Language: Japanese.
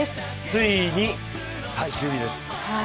ついに最終日です。